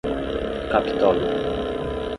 Capitólio